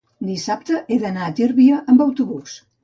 dissabte he d'anar a Tírvia amb autobús.